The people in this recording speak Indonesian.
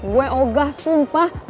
gue ogah sumpah